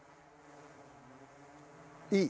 いい。